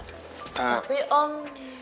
ya tapi om